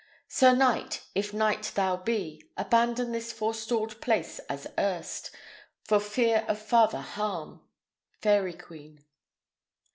Sir knight, if knight thou be, Abandon this forestalled place as erst, For fear of farther harm. Fairy Queen.